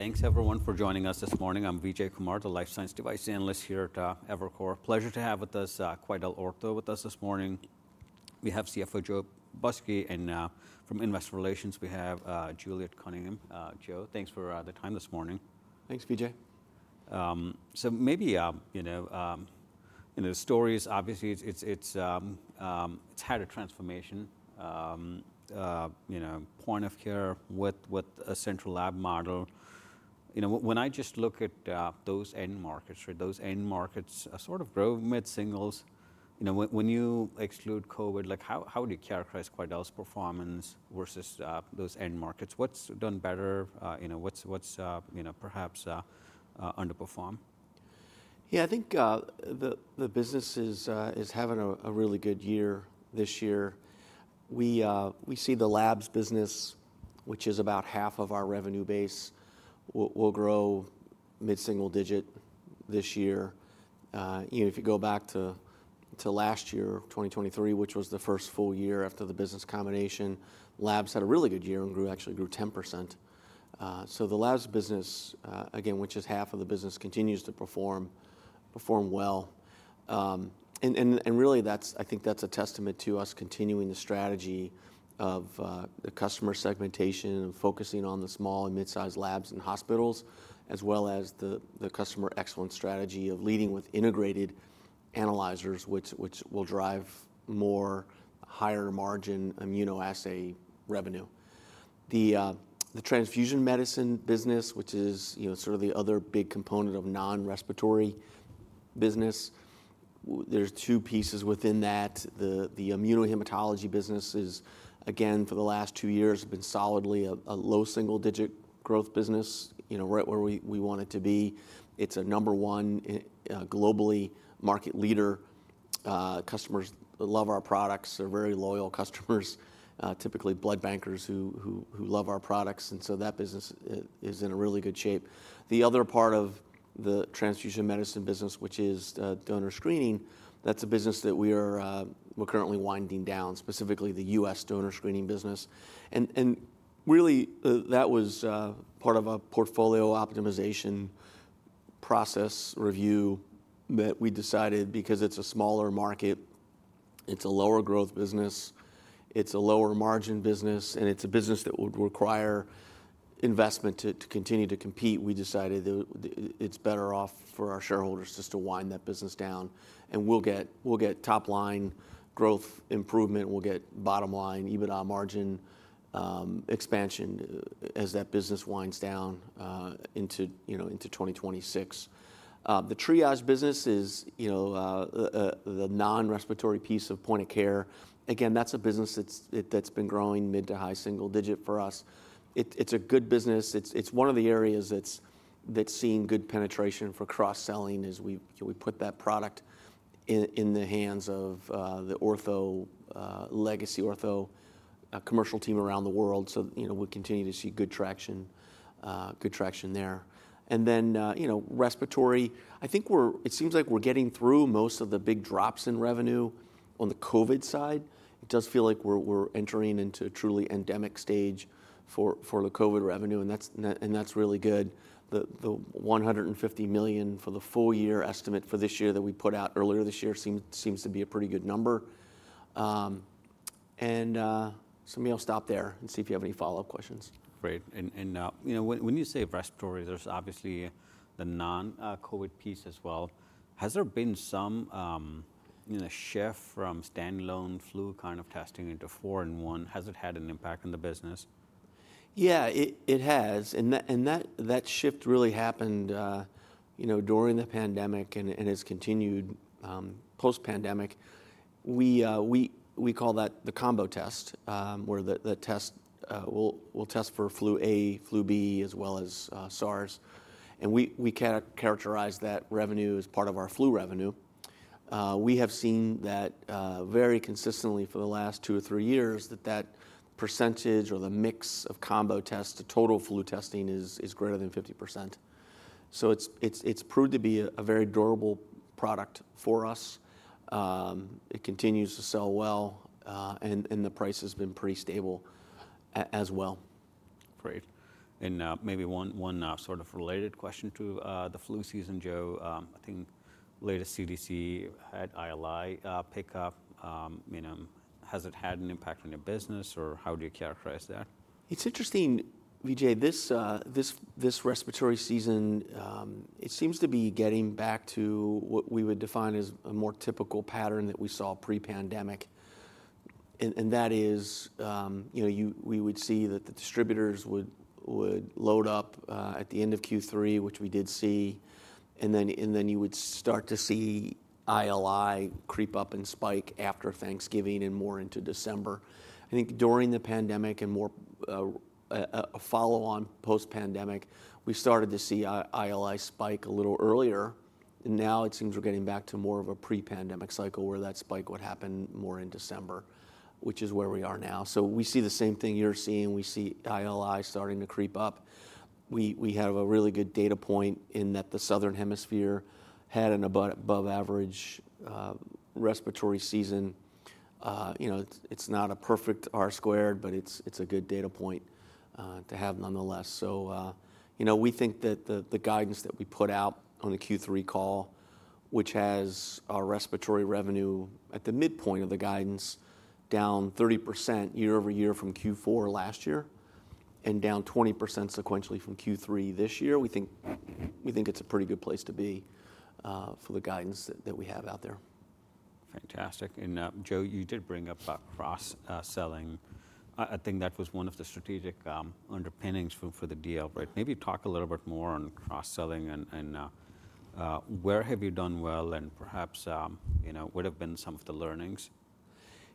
Thanks, everyone, for joining us this morning. I'm Vijay Kumar, the Life Science Device Analyst here at Evercore. Pleasure to have QuidelOrtho with us this morning. We have CFO Joe Busky. From Investor Relations, we have Juliet Cunningham. Joe, thanks for the time this morning. Thanks, Vijay. So, maybe, you know, in the stories, obviously, it's had a transformation, you know, Point of Care with a central lab model. You know, when I just look at those end markets, right, those end markets sort of grow mid-singles. You know, when you exclude COVID, like, how do you characterize Quidel's performance versus those end markets? What's done better? You know, what's, you know, perhaps underperformed? Yeah, I think the business is having a really good year this year. We see the Labs business, which is about half of our revenue base, will grow mid-single digit this year. You know, if you go back to last year, 2023, which was the first full year after the business combination, Labs had a really good year and actually grew 10%. So the Labs business, again, which is half of the business, continues to perform well. And really, I think that's a testament to us continuing the strategy of the customer segmentation and focusing on the small and mid-size labs and hospitals, as well as the customer excellence strategy of leading with integrated analyzers, which will drive more higher margin immunoassay revenue. The Transfusion Medicine business, which is, you know, sort of the other big component of non-respiratory business, there's two pieces within that. The Immunohematology business is, again, for the last two years, been solidly a low single-digit growth business, you know, right where we want it to be. It's a number one globally market leader. Customers love our products. They're very loyal customers, typically blood bankers who love our products, and so that business is in really good shape. The other part of the Transfusion Medicine business, which is Donor Screening, that's a business that we're currently winding down, specifically the U.S. Donor Screening business. And really, that was part of a portfolio optimization process review that we decided because it's a smaller market, it's a lower growth business, it's a lower margin business, and it's a business that would require investment to continue to compete. We decided it's better off for our shareholders just to wind that business down, and we'll get top-line growth improvement. We'll get bottom-line EBITDA margin expansion as that business winds down into 2026. The Triage business is, you know, the non-respiratory piece of Point of Care. Again, that's a business that's been growing mid- to high-single-digit for us. It's a good business. It's one of the areas that's seeing good penetration for cross-selling as we put that product in the hands of the Ortho legacy Ortho commercial team around the world. So, you know, we continue to see good traction, good traction there. And then, you know, respiratory, I think it seems like we're getting through most of the big drops in revenue on the COVID side. It does feel like we're entering into a truly endemic stage for the COVID revenue. And that's really good. The $150 million for the full year estimate for this year that we put out earlier this year seems to be a pretty good number. And so maybe I'll stop there and see if you have any follow-up questions. Great. And, you know, when you say respiratory, there's obviously the non-COVID piece as well. Has there been some, you know, shift from standalone flu kind of testing into four-in-one? Has it had an impact on the business? Yeah, it has. And that shift really happened, you know, during the pandemic and has continued post-pandemic. We call that the combo test, where the test will test for flu A, flu B, as well as SARS. And we characterize that revenue as part of our flu revenue. We have seen that very consistently for the last two or three years that that percentage or the mix of combo tests to total flu testing is greater than 50%. So it's proved to be a very durable product for us. It continues to sell well. And the price has been pretty stable as well. Great. And maybe one sort of related question to the flu season, Joe. I think latest CDC had ILI pickup. Has it had an impact on your business, or how do you characterize that? It's interesting, Vijay, this respiratory season, it seems to be getting back to what we would define as a more typical pattern that we saw pre-pandemic, and that is, you know, we would see that the distributors would load up at the end of Q3, which we did see, and then you would start to see ILI creep up and spike after Thanksgiving and more into December. I think during the pandemic and more a follow-on post-pandemic, we started to see ILI spike a little earlier, and now it seems we're getting back to more of a pre-pandemic cycle where that spike would happen more in December, which is where we are now, so we see the same thing you're seeing. We see ILI starting to creep up. We have a really good data point in that the Southern Hemisphere had an above-average respiratory season. You know, it's not a perfect R-squared, but it's a good data point to have nonetheless. So, you know, we think that the guidance that we put out on the Q3 call, which has our respiratory revenue at the midpoint of the guidance down 30% year-over-year from Q4 last year and down 20% sequentially from Q3 this year, we think it's a pretty good place to be for the guidance that we have out there. Fantastic. And Joe, you did bring up cross-selling. I think that was one of the strategic underpinnings for the deal, right? Maybe talk a little bit more on cross-selling and where have you done well and perhaps, you know, what have been some of the learnings?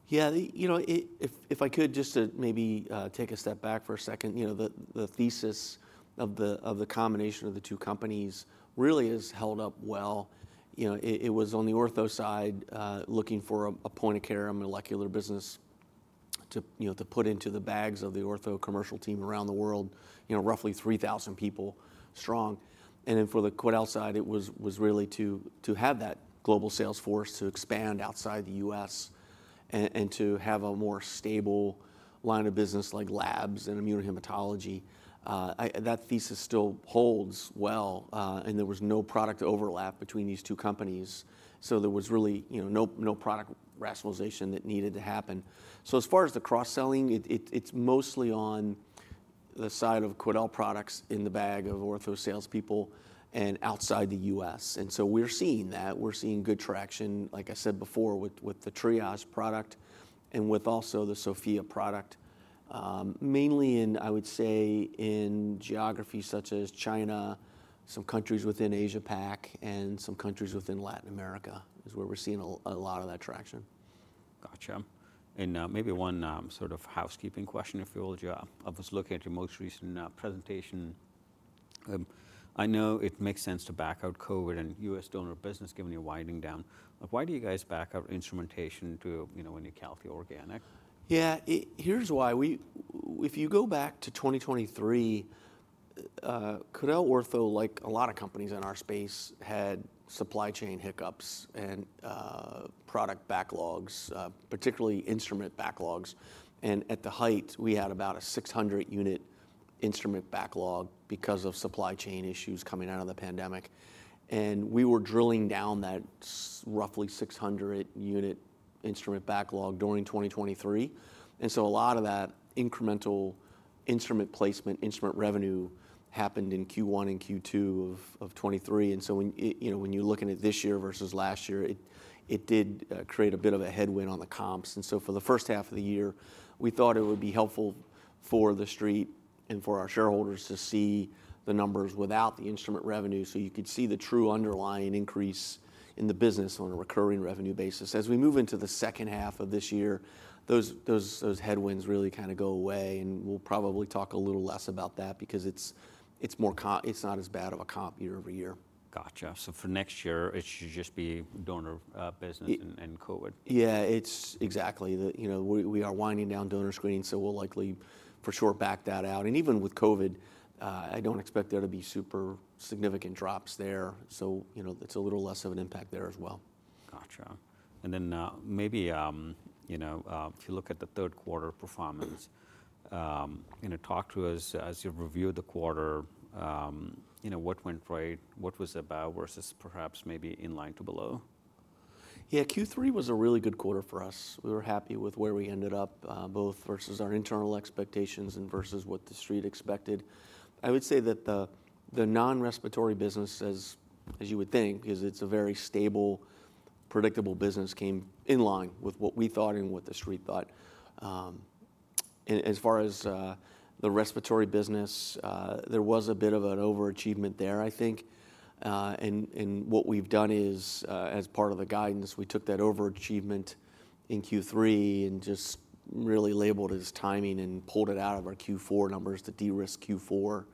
Yeah, you know, if I could just maybe take a step back for a second, you know, the thesis of the combination of the two companies really has held up well. You know, it was on the Ortho side looking for a Point of Care, a Molecular business to put into the bags of the Ortho commercial team around the world, you know, roughly 3,000 people strong. And then for the Quidel side, it was really to have that global sales force to expand outside the U.S. and to have a more stable line of business like Labs and Immunohematology. That thesis still holds well. And there was no product overlap between these two companies. So there was really, you know, no product rationalization that needed to happen. So as far as the cross-selling, it's mostly on the side of Quidel products in the bag of Ortho salespeople and outside the U.S. And so we're seeing that. We're seeing good traction, like I said before, with the Triage product and with also the Sofia product, mainly in, I would say, in geographies such as China, some countries within Asia-Pac, and some countries within Latin America is where we're seeing a lot of that traction. Gotcha. And maybe one sort of housekeeping question, if you would. I was looking at your most recent presentation. I know it makes sense to back out COVID and U.S. donor business given your winding down. Why do you guys back out instrumentation too, you know, when you're healthy organic? Yeah, here's why. If you go back to 2023, QuidelOrtho like a lot of companies in our space had supply chain hiccups and product backlogs, particularly instrument backlogs. And at the height, we had about a 600-unit instrument backlog because of supply chain issues coming out of the pandemic. And we were drilling down that roughly 600-unit instrument backlog during 2023. And so a lot of that incremental instrument placement, instrument revenue happened in Q1 and Q2 of 2023. And so when you're looking at this year versus last year, it did create a bit of a headwind on the comps. And so for the first half of the year, we thought it would be helpful for the Street and for our shareholders to see the numbers without the instrument revenue so you could see the true underlying increase in the business on a recurring revenue basis. As we move into the second half of this year, those headwinds really kind of go away, and we'll probably talk a little less about that because it's not as bad of a comp year over year. Gotcha. So for next year, it should just be donor business and COVID. Yeah, it's exactly. You know, we are winding down Donor Screening, so we'll likely for sure back that out. And even with COVID, I don't expect there to be super significant drops there. So, you know, it's a little less of an impact there as well. Gotcha. And then maybe, you know, if you look at the third quarter performance, you know, talk to us as you review the quarter, you know, what went right, what was about versus perhaps maybe in line to below. Yeah, Q3 was a really good quarter for us. We were happy with where we ended up both versus our internal expectations and versus what the Street expected. I would say that the non-respiratory business, as you would think, because it's a very stable, predictable business, came in line with what we thought and what the Street thought. And as far as the respiratory business, there was a bit of an overachievement there, I think. And what we've done is, as part of the guidance, we took that overachievement in Q3 and just really labeled as timing and pulled it out of our Q4 numbers to de-risk Q4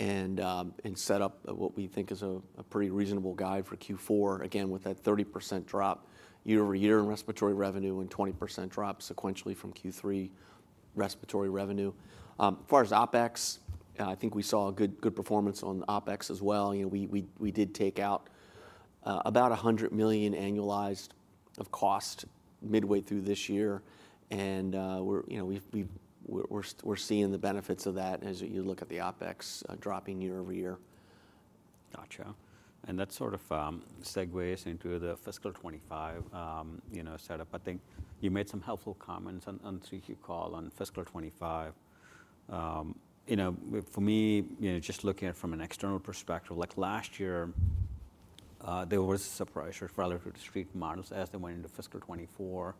and set up what we think is a pretty reasonable guide for Q4, again, with that 30% drop year-over-year in respiratory revenue and 20% drop sequentially from Q3 respiratory revenue. As far as OpEx, I think we saw good performance on OpEx as well. You know, we did take out about $100 million annualized of cost midway through this year, and we're seeing the benefits of that as you look at the OpEx dropping year-over-year. Gotcha. And that sort of segues into the fiscal 2025, you know, setup. I think you made some helpful comments on your call on fiscal 2025. You know, for me, you know, just looking at it from an external perspective, like last year, there was a surprise for relative to Street models as they went into fiscal 2024.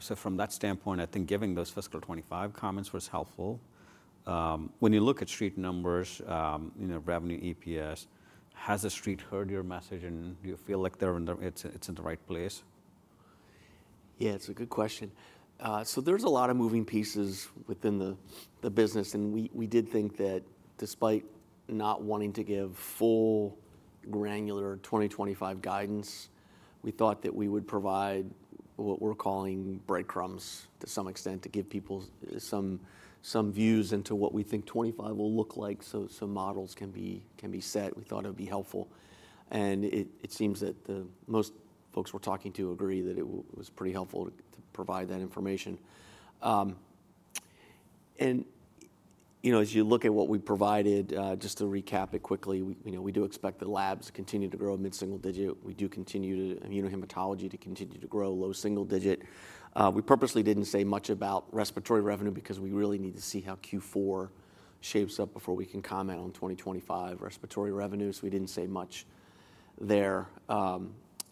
So from that standpoint, I think giving those fiscal 2025 comments was helpful. When you look at Street numbers, you know, revenue EPS, has the Street heard your message and do you feel like it's in the right place? Yeah, it's a good question. So there's a lot of moving pieces within the business. And we did think that despite not wanting to give full granular 2025 guidance, we thought that we would provide what we're calling breadcrumbs to some extent to give people some views into what we think 2025 will look like so models can be set. We thought it would be helpful. And it seems that the most folks we're talking to agree that it was pretty helpful to provide that information. And, you know, as you look at what we provided, just to recap it quickly, you know, we do expect the Labs continue to grow mid-single digit. We do continue to Immunohematology to continue to grow low single digit. We purposely didn't say much about respiratory revenue because we really need to see how Q4 shapes up before we can comment on 2025 respiratory revenue. So we didn't say much there.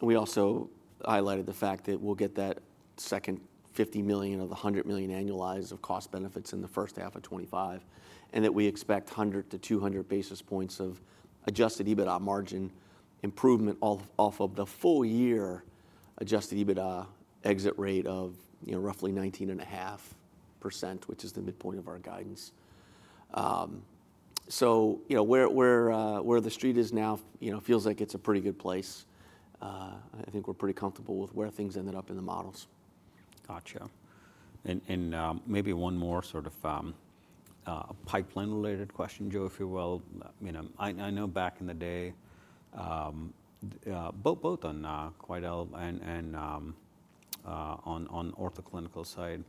We also highlighted the fact that we'll get that second $50 million of the $100 million annualized of cost benefits in the first half of 2025 and that we expect 100-200 basis points of adjusted EBITDA margin improvement off of the full-year adjusted EBITDA exit rate of, you know, roughly 19.5%, which is the midpoint of our guidance. So, you know, where the Street is now, you know, feels like it's a pretty good place. I think we're pretty comfortable with where things ended up in the models. Gotcha. And maybe one more sort of pipeline-related question, Joe, if you will. You know, I know back in the day, both on Quidel and on Ortho Clinical side,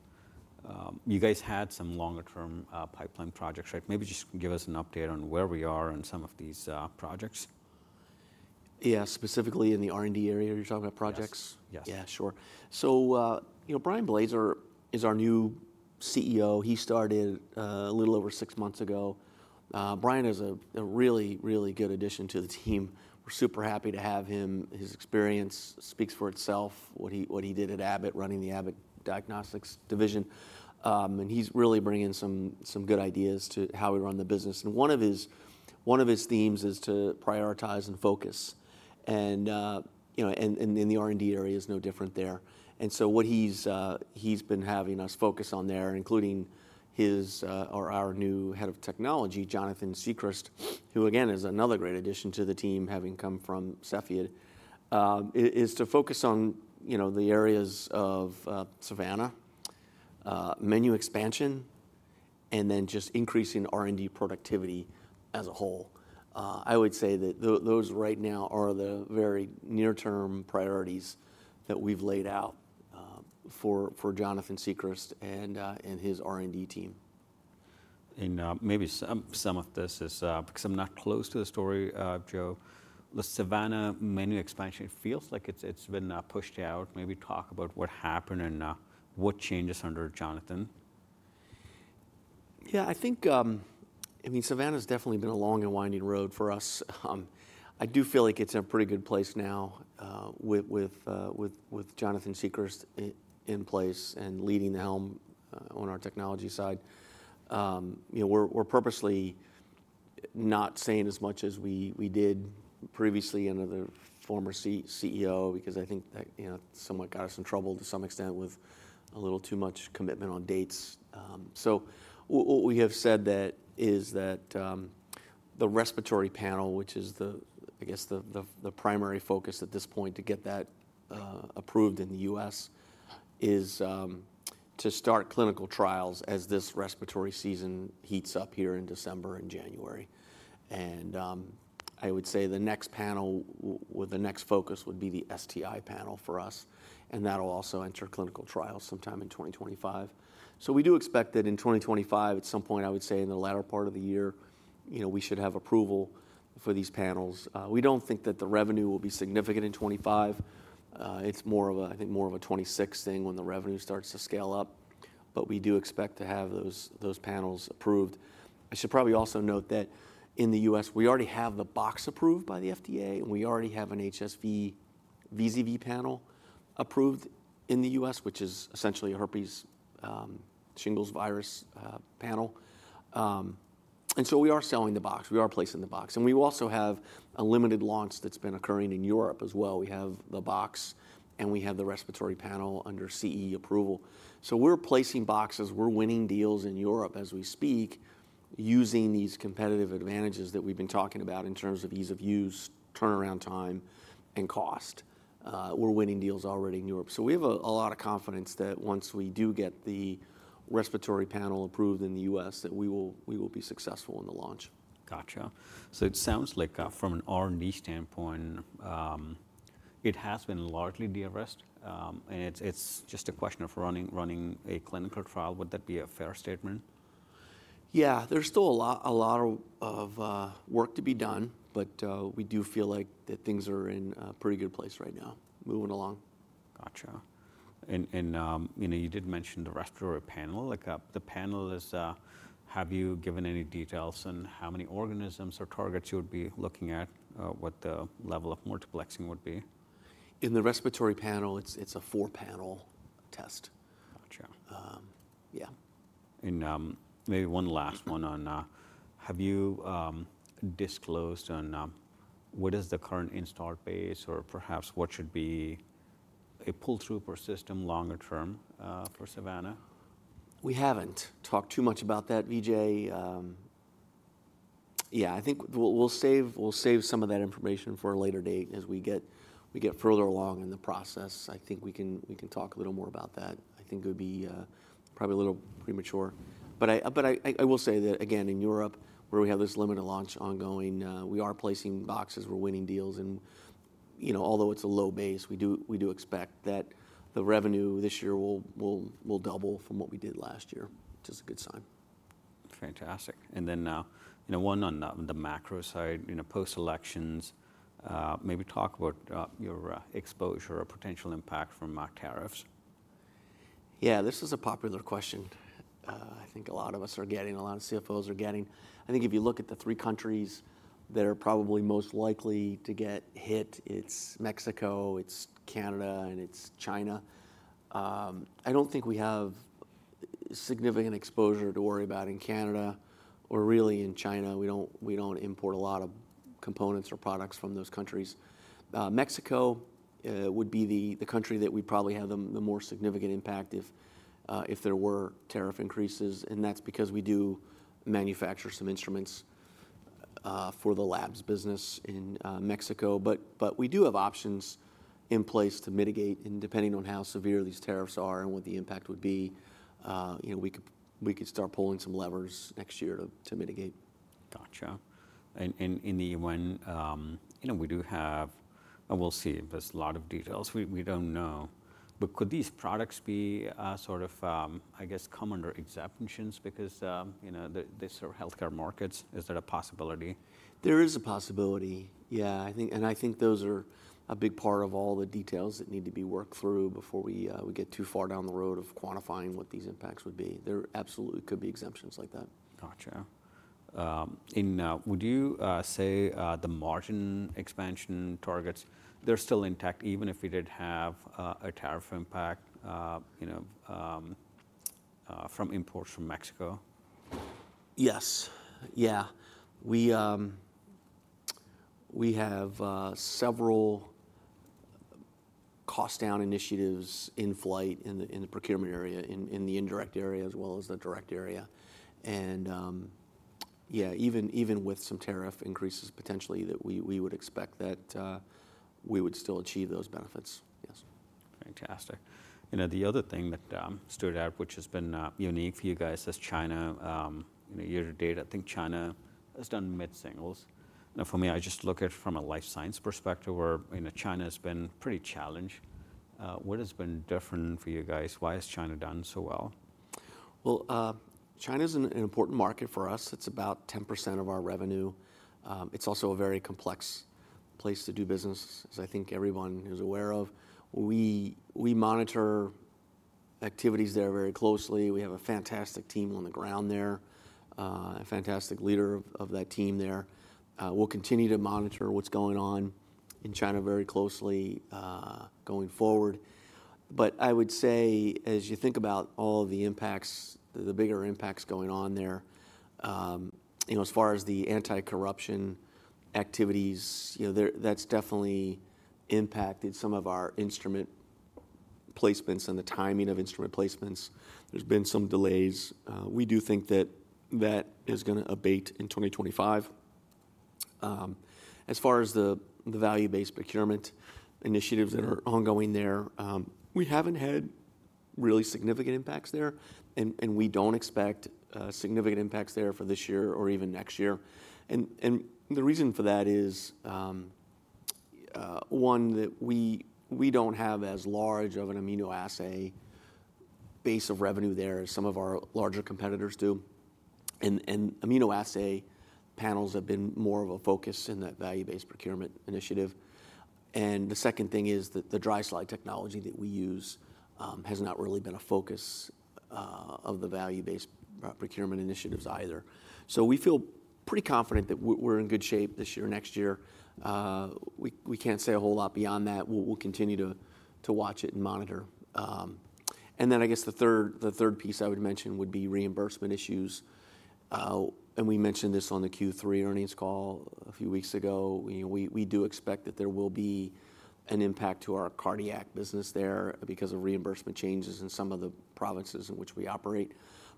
you guys had some longer-term pipeline projects, right? Maybe just give us an update on where we are on some of these projects. Yeah, specifically in the R&D area, you're talking about projects? Yes. Yeah, sure. So, you know, Brian Blaser is our new CEO. He started a little over six months ago. Brian is a really, really good addition to the team. We're super happy to have him. His experience speaks for itself. What he did at Abbott, running the Abbott Diagnostics division. And he's really bringing in some good ideas to how we run the business. And one of his themes is to prioritize and focus. And, you know, in the R&D area is no different there. And so what he's been having us focus on there, including his or our new Head of Technology, Jonathan Siegrist, who again is another great addition to the team having come from Cepheid, is to focus on, you know, the areas of Savanna, menu expansion, and then just increasing R&D productivity as a whole. I would say that those right now are the very near-term priorities that we've laid out for Jonathan Siegrist and his R&D team. Maybe some of this is because I'm not close to the story, Joe. The Savanna menu expansion feels like it's been pushed out. Maybe talk about what happened and what changes under Jonathan. Yeah, I think, I mean, Savanna has definitely been a long and winding road for us. I do feel like it's in a pretty good place now with Jonathan Siegrist in place and leading the helm on our technology side. You know, we're purposely not saying as much as we did previously under the former CEO because I think that, you know, somewhat got us in trouble to some extent with a little too much commitment on dates. So what we have said that is that the respiratory panel, which is the, I guess, the primary focus at this point to get that approved in the U.S., is to start clinical trials as this respiratory season heats up here in December and January. And I would say the next panel with the next focus would be the STI panel for us. And that'll also enter clinical trials sometime in 2025. We do expect that in 2025, at some point, I would say in the latter part of the year, you know, we should have approval for these panels. We don't think that the revenue will be significant in 2025. It's more of a, I think, more of a 2026 thing when the revenue starts to scale up. But we do expect to have those panels approved. I should probably also note that in the U.S., we already have the box approved by the FDA. We already have an HSV VZV panel approved in the U.S., which is essentially herpes shingles virus panel. So we are selling the box. We are placing the box. We also have a limited launch that's been occurring in Europe as well. We have the box and we have the respiratory panel under CE approval. So we're placing boxes. We're winning deals in Europe as we speak using these competitive advantages that we've been talking about in terms of ease of use, turnaround time, and cost. We're winning deals already in Europe. So we have a lot of confidence that once we do get the respiratory panel approved in the U.S., that we will be successful in the launch. Gotcha. So it sounds like from an R&D standpoint, it has been largely de-risked. And it's just a question of running a clinical trial. Would that be a fair statement? Yeah, there's still a lot of work to be done. But we do feel like that things are in a pretty good place right now moving along. Gotcha. And you know, you did mention the respiratory panel. Like the panel is, have you given any details on how many organisms or targets you would be looking at, what the level of multiplexing would be? In the respiratory panel, it's a four-panel test. Gotcha. Yeah. And maybe one last one on, have you disclosed on what is the current installed base or perhaps what should be a pull-through per system longer term for Savanna? We haven't talked too much about that, Vijay. Yeah, I think we'll save some of that information for a later date as we get further along in the process. I think we can talk a little more about that. I think it would be probably a little premature. But I will say that again in Europe, where we have this limited launch ongoing, we are placing boxes. We're winning deals. And, you know, although it's a low base, we do expect that the revenue this year will double from what we did last year, which is a good sign. Fantastic, and then, you know, one on the macro side, you know, post-elections, maybe talk about your exposure or potential impact from tariffs. Yeah, this is a popular question. I think a lot of us are getting, a lot of CFOs are getting. I think if you look at the three countries that are probably most likely to get hit, it's Mexico, it's Canada, and it's China. I don't think we have significant exposure to worry about in Canada or really in China. We don't import a lot of components or products from those countries. Mexico would be the country that we'd probably have the more significant impact if there were tariff increases. And that's because we do manufacture some instruments for the Labs business in Mexico. But we do have options in place to mitigate. And depending on how severe these tariffs are and what the impact would be, you know, we could start pulling some levers next year to mitigate. Gotcha. And in the U.S., you know, we do have. We'll see if there's a lot of details. We don't know. But could these products be sort of, I guess, come under exemptions because, you know, they serve healthcare markets? Is there a possibility? There is a possibility, yeah. And I think those are a big part of all the details that need to be worked through before we get too far down the road of quantifying what these impacts would be. There absolutely could be exemptions like that. Gotcha. And would you say the margin expansion targets, they're still intact even if we did have a tariff impact, you know, from imports from Mexico? Yes. Yeah. We have several cost-down initiatives in flight in the procurement area, in the indirect area as well as the direct area, and yeah, even with some tariff increases potentially that we would expect that we would still achieve those benefits. Yes. Fantastic. You know, the other thing that stood out, which has been unique for you guys is China. You know, year to date, I think China has done mid-singles. Now, for me, I just look at it from a life science perspective where, you know, China has been pretty challenged. What has been different for you guys? Why has China done so well? China is an important market for us. It's about 10% of our revenue. It's also a very complex place to do business, as I think everyone is aware of. We monitor activities there very closely. We have a fantastic team on the ground there, a fantastic leader of that team there. We'll continue to monitor what's going on in China very closely going forward. But I would say as you think about all of the impacts, the bigger impacts going on there, you know, as far as the anti-corruption activities, you know, that's definitely impacted some of our instrument placements and the timing of instrument placements. There's been some delays. We do think that that is going to abate in 2025. As far as the value-based procurement initiatives that are ongoing there, we haven't had really significant impacts there. We don't expect significant impacts there for this year or even next year. The reason for that is, one, that we don't have as large of an immunoassay base of revenue there as some of our larger competitors do. Immunoassay panels have been more of a focus in that value-based procurement initiative. The second thing is that the dry slide technology that we use has not really been a focus of the value-based procurement initiatives either. We feel pretty confident that we're in good shape this year and next year. We can't say a whole lot beyond that. We'll continue to watch it and monitor. I guess the third piece I would mention would be reimbursement issues. We mentioned this on the Q3 earnings call a few weeks ago. You know, we do expect that there will be an impact to our cardiac business there because of reimbursement changes in some of the provinces in which we operate.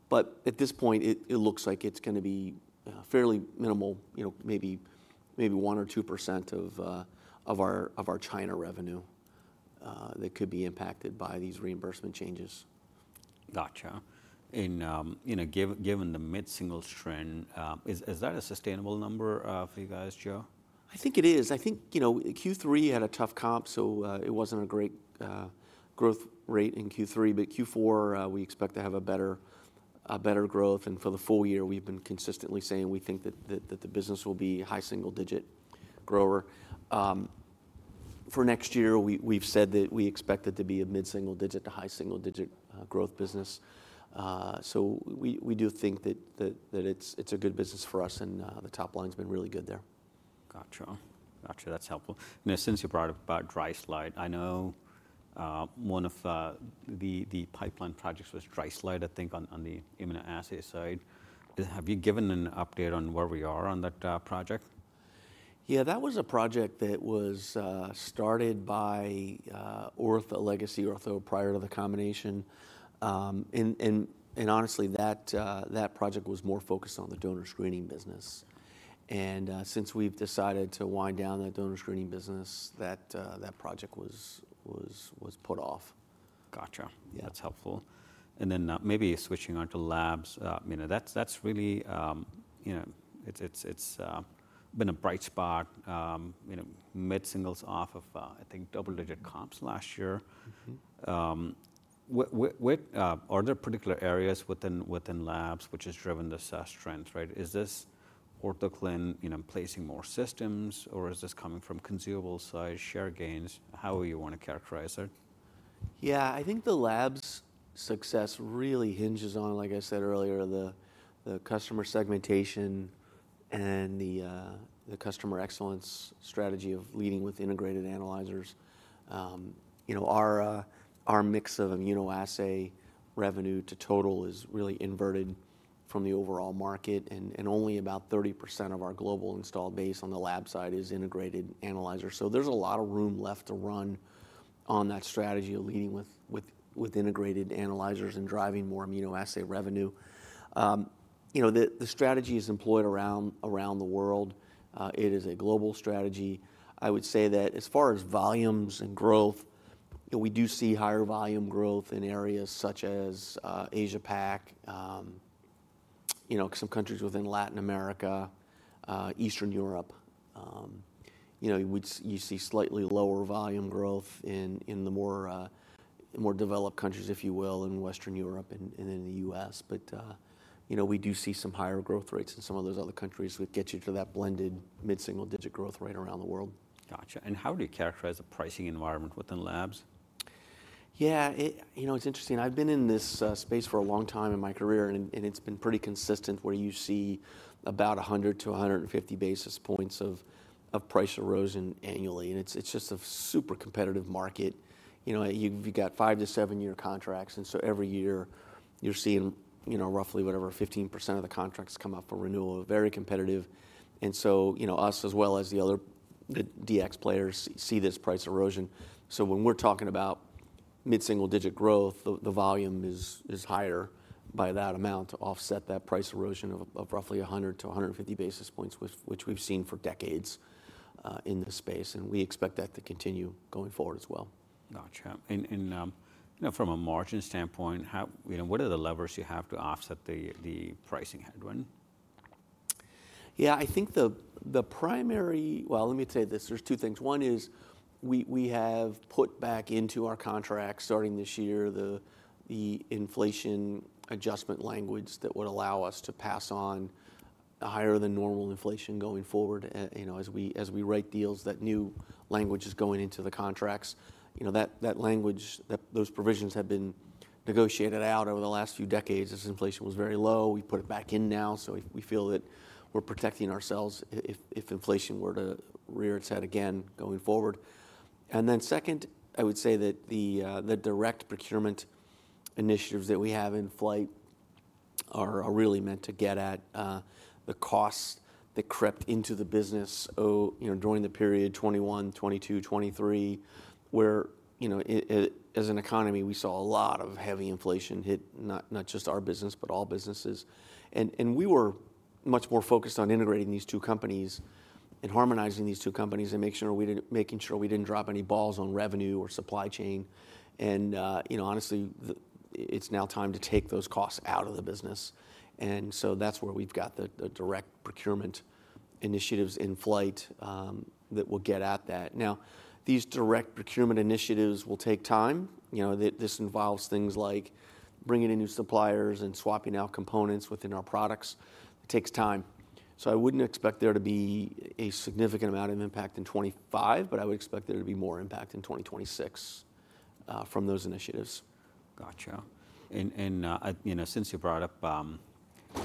But at this point, it looks like it's going to be fairly minimal, you know, maybe 1% or 2% of our China revenue that could be impacted by these reimbursement changes. Gotcha, and you know, given the mid-singles trend, is that a sustainable number for you guys, Joe? I think it is. I think, you know, Q3 had a tough comp, so it wasn't a great growth rate in Q3, but Q4, we expect to have a better growth. For the full year, we've been consistently saying we think that the business will be a high single-digit grower. For next year, we've said that we expect it to be a mid-single digit to high single-digit growth business, so we do think that it's a good business for us. The top line's been really good there. Gotcha. Gotcha. That's helpful. And since you brought up dry slide, I know one of the pipeline projects was dry slide, I think, on the immunoassay side. Have you given an update on where we are on that project? Yeah, that was a project that was started by Ortho legacy Ortho prior to the combination. And honestly, that project was more focused on the Donor Screening business. And since we've decided to wind down that Donor Screening business, that project was put off. Gotcha. That's helpful. And then maybe switching on to Labs, you know, that's really, you know, it's been a bright spot, you know, mid-singles off of, I think, double-digit comps last year. Are there particular areas within Labs which have driven this trend, right? Is this Ortho Clinical, you know, placing more systems, or is this coming from consumables, i.e., share gains? How would you want to characterize it? Yeah, I think the Labs success really hinges on, like I said earlier, the customer segmentation and the customer excellence strategy of leading with integrated analyzers. You know, our mix of immunoassay revenue to total is really inverted from the overall market. And only about 30% of our global installed base on the lab side is integrated analyzers. So there's a lot of room left to run on that strategy of leading with integrated analyzers and driving more immunoassay revenue. You know, the strategy is employed around the world. It is a global strategy. I would say that as far as volumes and growth, we do see higher volume growth in areas such as Asia-Pac, you know, some countries within Latin America, Eastern Europe. You know, you see slightly lower volume growth in the more developed countries, if you will, in Western Europe and in the U.S. But, you know, we do see some higher growth rates in some of those other countries that get you to that blended mid-single digit growth rate around the world. Gotcha, and how would you characterize the pricing environment within Labs? Yeah, you know, it's interesting. I've been in this space for a long time in my career, and it's been pretty consistent where you see about 100-150 basis points of price erosion annually, and it's just a super competitive market. You know, you've got five- to seven-year contracts, and so every year, you're seeing, you know, roughly whatever, 15% of the contracts come up for renewal. Very competitive, and so, you know, us as well as the other DX players see this price erosion, so when we're talking about mid-single-digit growth, the volume is higher by that amount to offset that price erosion of roughly 100-150 basis points, which we've seen for decades in this space, and we expect that to continue going forward as well. Gotcha. And, you know, from a margin standpoint, you know, what are the levers you have to offset the pricing headwind? Yeah, I think the primary, well, let me say this. There's two things. One is we have put back into our contracts starting this year the inflation adjustment language that would allow us to pass on a higher than normal inflation going forward. You know, as we write deals, that new language is going into the contracts. You know, that language, those provisions have been negotiated out over the last few decades as inflation was very low. We put it back in now. So we feel that we're protecting ourselves if inflation were to rear its head again going forward. And then, second, I would say that the direct procurement initiatives that we have in flight are really meant to get at the costs that crept into the business, you know, during the period 2021, 2022, 2023, where, you know, as an economy, we saw a lot of heavy inflation hit not just our business, but all businesses. And we were much more focused on integrating these two companies and harmonizing these two companies and making sure we didn't drop any balls on revenue or supply chain. And, you know, honestly, it's now time to take those costs out of the business. And so that's where we've got the direct procurement initiatives in flight that will get at that. Now, these direct procurement initiatives will take time. You know, this involves things like bringing in new suppliers and swapping out components within our products. It takes time. So I wouldn't expect there to be a significant amount of impact in 2025, but I would expect there to be more impact in 2026 from those initiatives. Gotcha. And, you know, since you brought up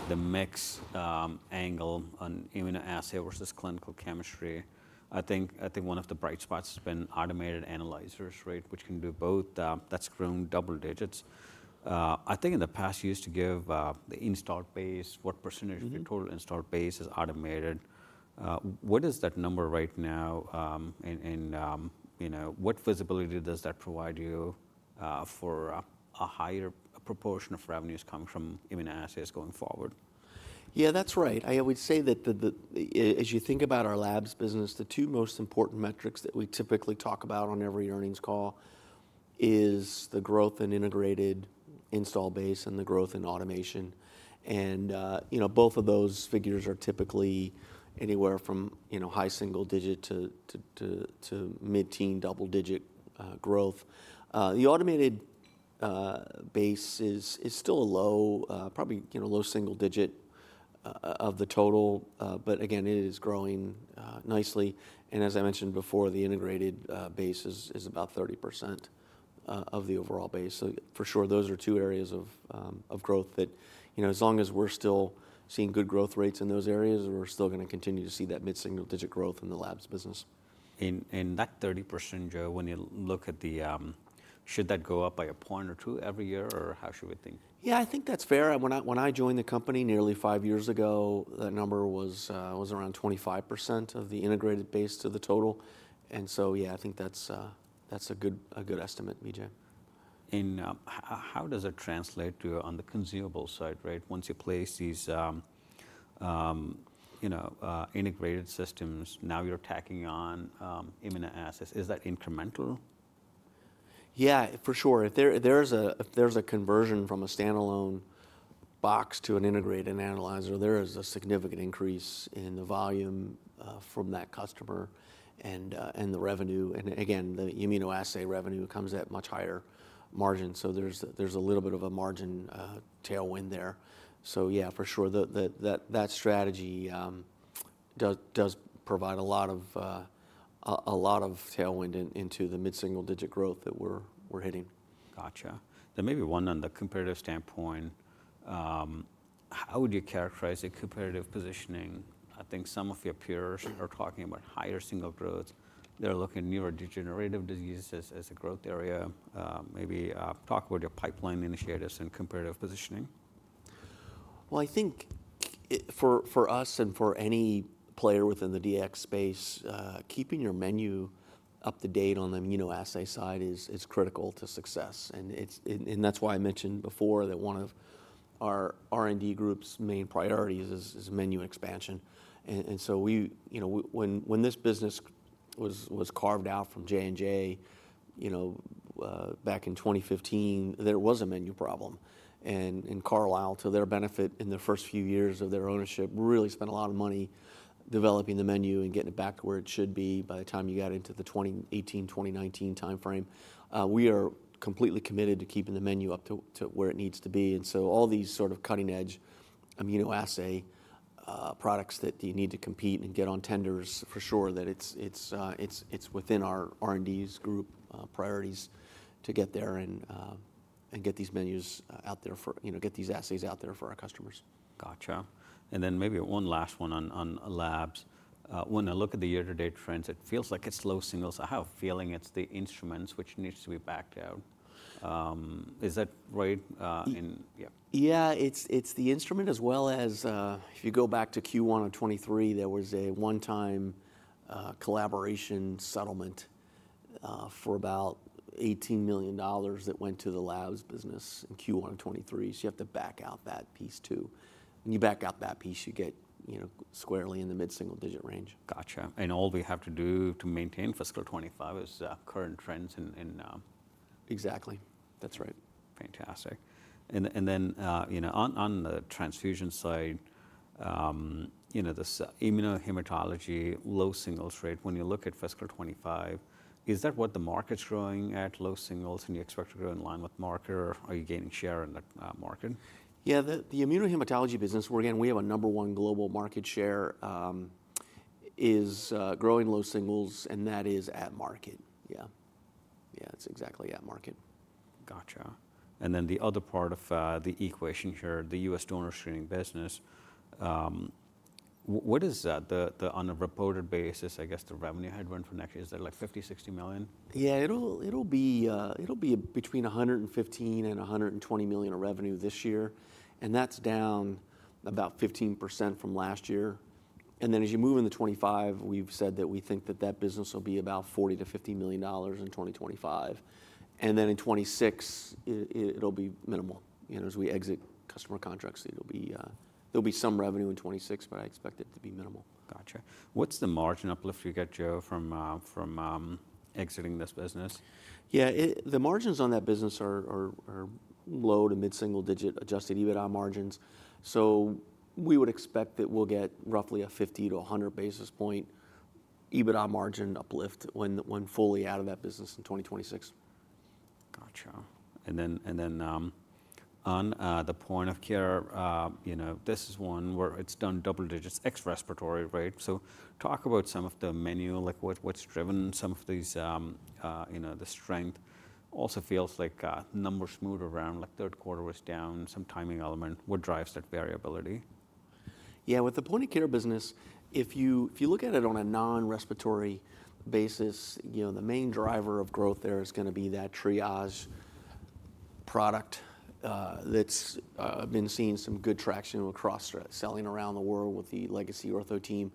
the mix angle on immunoassay versus clinical chemistry, I think one of the bright spots has been automated analyzers, right, which can do both. That's grown double digits. I think in the past, you used to give the installed base, what percentage of your total installed base is automated. What is that number right now? And, you know, what visibility does that provide you for a higher proportion of revenues coming from immunoassays going forward? Yeah, that's right. I would say that as you think about our Labs business, the two most important metrics that we typically talk about on every earnings call are the growth in integrated install base and the growth in automation, and, you know, both of those figures are typically anywhere from, you know, high single digit to mid-teen double digit growth. The automated base is still a low, probably, you know, low single digit of the total, but again, it is growing nicely, and as I mentioned before, the integrated base is about 30% of the overall base, so for sure, those are two areas of growth that, you know, as long as we're still seeing good growth rates in those areas, we're still going to continue to see that mid-single digit growth in the Labs business. That 30%, Joe, when you look at the, should that go up by a point or two every year, or how should we think? Yeah, I think that's fair. When I joined the company nearly five years ago, that number was around 25% of the integrated base to the total. And so, yeah, I think that's a good estimate, BJ. And how does it translate on the consumable side, right? Once you place these, you know, integrated systems, now you're tacking on immunoassays. Is that incremental? Yeah, for sure. If there's a conversion from a standalone box to an integrated analyzer, there is a significant increase in the volume from that customer and the revenue. And again, the immunoassay revenue comes at much higher margins. So there's a little bit of a margin tailwind there. So yeah, for sure, that strategy does provide a lot of tailwind into the mid-single digit growth that we're hitting. Gotcha. Then maybe one on the competitive standpoint, how would you characterize the competitive positioning? I think some of your peers are talking about higher single growth. They're looking at neurodegenerative diseases as a growth area. Maybe talk about your pipeline initiatives and competitive positioning. I think for us and for any player within the DX space, keeping your menu up to date on the immunoassay side is critical to success. And that's why I mentioned before that one of our R&D group's main priorities is menu expansion. And so we, you know, when this business was carved out from J&J, you know, back in 2015, there was a menu problem. And Carlyle, to their benefit in the first few years of their ownership, really spent a lot of money developing the menu and getting it back to where it should be by the time you got into the 2018, 2019 timeframe. We are completely committed to keeping the menu up to where it needs to be. And so all these sort of cutting-edge immunoassay products that you need to compete and get on tenders, for sure, that it's within our R&D group priorities to get there and get these menus out there for, you know, get these assays out there for our customers. Gotcha. And then maybe one last one on Labs. When I look at the year-to-date trends, it feels like it's low singles. I have a feeling it's the instruments which needs to be backed out. Is that right? Yeah. It's the instrument as well as if you go back to Q1 of 2023, there was a one-time collaboration settlement for about $18 million that went to the Labs business in Q1 of 2023. So you have to back out that piece too. When you back out that piece, you get, you know, squarely in the mid-single digit range. Gotcha. And all we have to do to maintain fiscal 2025 is current trends in. Exactly. That's right. Fantastic. And then, you know, on the Transfusion side, you know, this Immunohematology, low singles rate, when you look at fiscal 2025, is that what the market's growing at, low singles? And you expect to grow in line with market, or are you gaining share in that market? Yeah, the Immunohematology business, where again, we have a number one global market share, is growing low singles, and that is at market. Yeah. Yeah, it's exactly at market. Gotcha. And then the other part of the equation here, the U.S. Donor Screening business, what is that? On a reported basis, I guess the revenue headwind for next year, is that like $50 million-$60 million? Yeah, it'll be between $115 million and $120 million of revenue this year, and that's down about 15% from last year, and then as you move into 2025, we've said that we think that that business will be about $40 million to $50 million in 2025, and then in 2026, it'll be minimal. You know, as we exit customer contracts, there'll be some revenue in 2026, but I expect it to be minimal. Gotcha. What's the margin uplift you get, Joe, from exiting this business? Yeah, the margins on that business are low to mid-single digit adjusted EBITDA margins. So we would expect that we'll get roughly a 50-100 basis points EBITDA margin uplift when fully out of that business in 2026. Gotcha. And then on the Point of Care, you know, this is one where it's done double digits, ex-respiratory, right? So talk about some of the menu, like what's driven some of these, you know, the strength. Also feels like numbers smooth around, like third quarter was down, some timing element. What drives that variability? Yeah, with the Point of Care business, if you look at it on a non-respiratory basis, you know, the main driver of growth there is going to be that Triage product that's been seeing some good traction cross-selling around the world with the legacy Ortho team.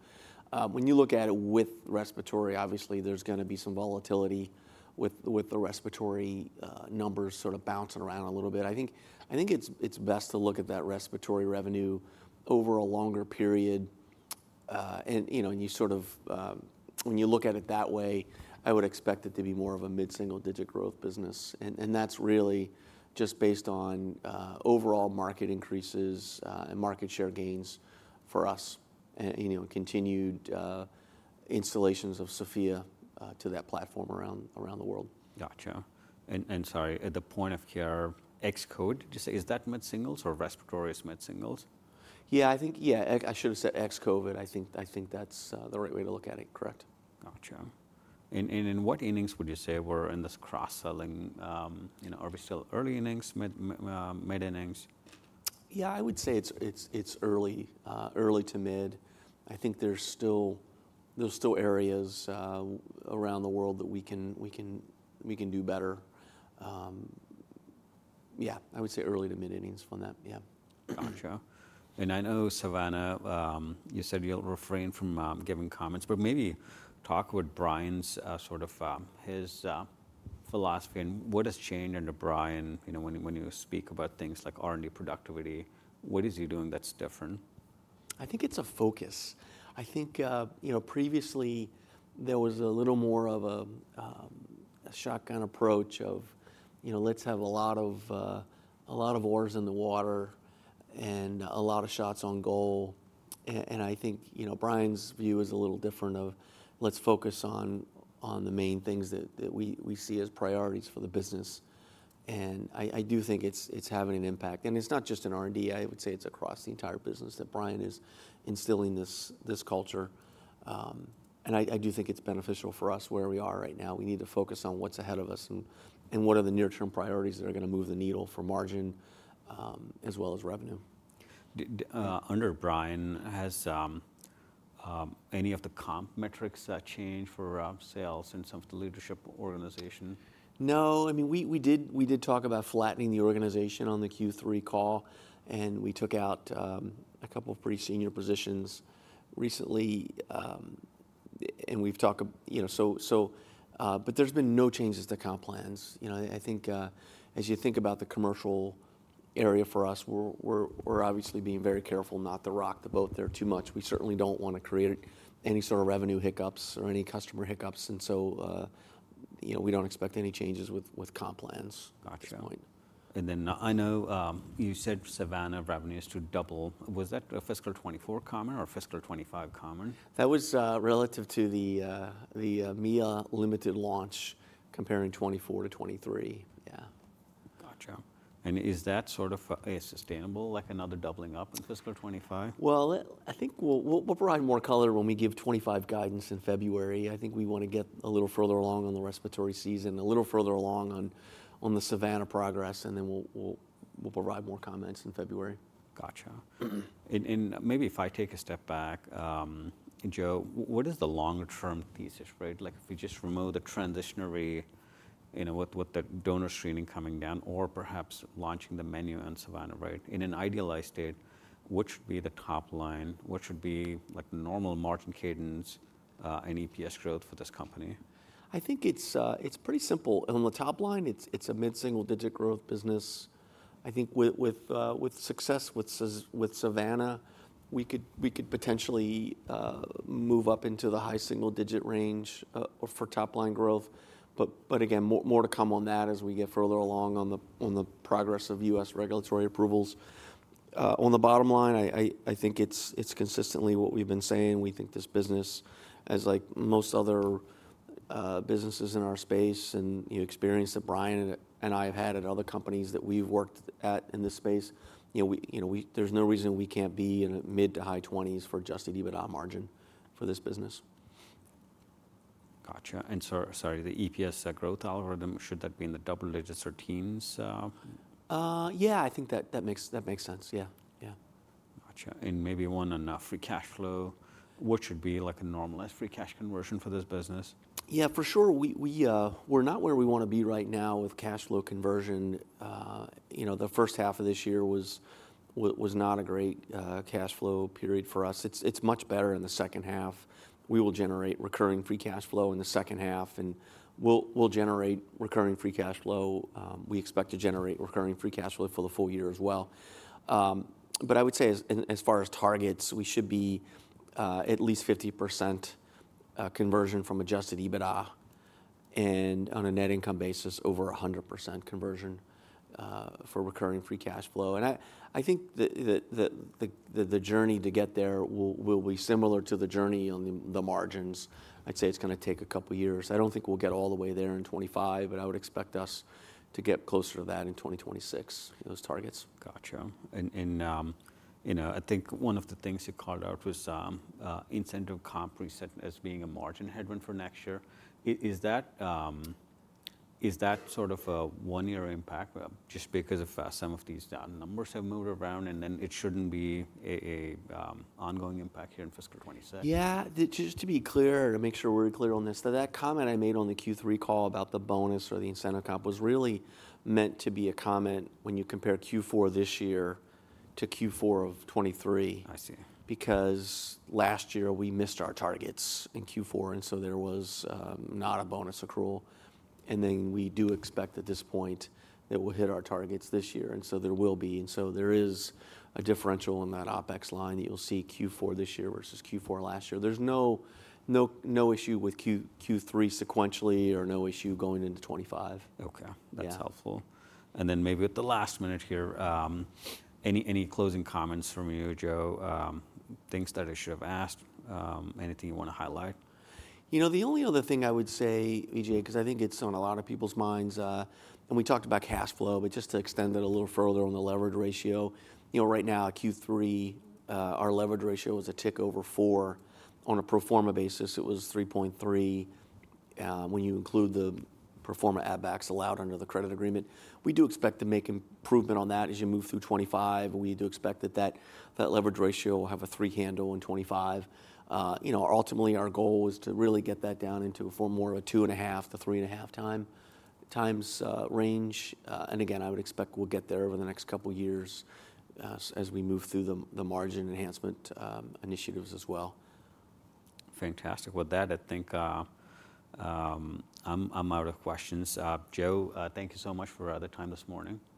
When you look at it with respiratory, obviously there's going to be some volatility with the respiratory numbers sort of bouncing around a little bit. I think it's best to look at that respiratory revenue over a longer period. And, you know, when you sort of, when you look at it that way, I would expect it to be more of a mid-single digit growth business. And that's really just based on overall market increases and market share gains for us and, you know, continued installations of Sofia to that platform around the world. Gotcha. And sorry, at the point of care, ex-COVID, did you say is that mid-singles or respiratory is mid-singles? Yeah, I think, yeah, I should have said ex-COVID. I think that's the right way to look at it, correct? Gotcha. And in what innings would you say we're in this cross-selling, you know, are we still early innings, mid innings? Yeah, I would say it's early to mid. I think there's still areas around the world that we can do better. Yeah, I would say early to mid innings from that, yeah. Gotcha. And I know Savannah, you said you'll refrain from giving comments, but maybe talk with Brian's sort of his philosophy and what has changed under Brian, you know, when you speak about things like R&D productivity. What is he doing that's different? I think it's a focus. I think, you know, previously there was a little more of a shotgun approach of, you know, let's have a lot of oars in the water and a lot of shots on goal. And I think, you know, Brian's view is a little different of, let's focus on the main things that we see as priorities for the business. And I do think it's having an impact. And it's not just in R&D. I would say it's across the entire business that Brian is instilling this culture. And I do think it's beneficial for us where we are right now. We need to focus on what's ahead of us and what are the near-term priorities that are going to move the needle for margin as well as revenue. Under Brian, has any of the comp metrics changed for sales and some of the leadership organization? No. I mean, we did talk about flattening the organization on the Q3 call, and we took out a couple of pretty senior positions recently. And we've talked, you know, so, but there's been no changes to comp plans. You know, I think as you think about the commercial area for us, we're obviously being very careful not to rock the boat there too much. We certainly don't want to create any sort of revenue hiccups or any customer hiccups. And so, you know, we don't expect any changes with comp plans at this point. Gotcha. And then I know you said Savanna revenues to double. Was that a fiscal 2024 comment or a fiscal 2025 comment? That was relative to the EMEA limited launch comparing 2024 to 2023. Yeah. Gotcha. And is that sort of sustainable, like another doubling up in fiscal 2025? I think we'll provide more color when we give 2025 guidance in February. I think we want to get a little further along on the respiratory season, a little further along on the Savanna progress, and then we'll provide more comments in February. Gotcha. And maybe if I take a step back, Joe, what is the longer-term thesis, right? Like if we just remove the transitory, you know, with the Donor Screening coming down or perhaps launching the menu on Savanna, right? In an idealized state, what should be the top line? What should be like normal margin cadence and EPS growth for this company? I think it's pretty simple. On the top line, it's a mid-single digit growth business. I think with success with Savanna, we could potentially move up into the high single digit range for top line growth. But again, more to come on that as we get further along on the progress of U.S. regulatory approvals. On the bottom line, I think it's consistently what we've been saying. We think this business, as like most other businesses in our space and, you know, experience that Brian and I have had at other companies that we've worked at in this space, you know, there's no reason we can't be in mid- to high-20s% for adjusted EBITDA margin for this business. Gotcha. And sorry, the EPS growth algorithm, should that be in the double digits or teens? Yeah, I think that makes sense. Yeah, yeah. Gotcha. And maybe one on free cash flow, what should be like a normalized free cash conversion for this business? Yeah, for sure. We're not where we want to be right now with cash flow conversion. You know, the first half of this year was not a great cash flow period for us. It's much better in the second half. We will generate recurring free cash flow in the second half, and we'll generate recurring free cash flow. We expect to generate recurring free cash flow for the full year as well. But I would say as far as targets, we should be at least 50% conversion from adjusted EBITDA and on a net income basis over 100% conversion for recurring free cash flow. And I think the journey to get there will be similar to the journey on the margins. I'd say it's going to take a couple of years. I don't think we'll get all the way there in 2025, but I would expect us to get closer to that in 2026, those targets. Gotcha. And you know, I think one of the things you called out was incentive compensation as being a margin headwind for next year. Is that sort of a one-year impact just because some of these numbers have moved around? And then it shouldn't be an ongoing impact here in fiscal 2026? Yeah, just to be clear and to make sure we're clear on this, that comment I made on the Q3 call about the bonus or the incentive comp was really meant to be a comment when you compare Q4 this year to Q4 of 2023. I see. Because last year we missed our targets in Q4, and so there was not a bonus accrual. And then we do expect at this point that we'll hit our targets this year, and so there will be. And so there is a differential in that OpEx line that you'll see Q4 this year versus Q4 last year. There's no issue with Q3 sequentially or no issue going into 2025. Okay, that's helpful. And then maybe at the last minute here, any closing comments from you, Joe? Things that I should have asked? Anything you want to highlight? You know, the only other thing I would say, Vijay, because I think it's on a lot of people's minds, and we talked about cash flow, but just to extend it a little further on the leverage ratio, you know, right now at Q3, our leverage ratio was a tick over four. On a pro forma basis, it was 3.3 when you include the pro forma add-backs allowed under the credit agreement. We do expect to make improvement on that as you move through 2025. We do expect that that leverage ratio will have a three handle in 2025. You know, ultimately our goal is to really get that down into more of a two and a half to three and a half times range. And again, I would expect we'll get there over the next couple of years as we move through the margin enhancement initiatives as well. Fantastic. With that, I think I'm out of questions. Joe, thank you so much for the time this morning.